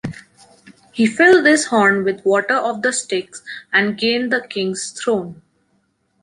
He filled this horn with water of the Styx and gained the Kings Throne.